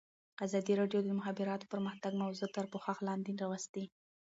ازادي راډیو د د مخابراتو پرمختګ موضوع تر پوښښ لاندې راوستې.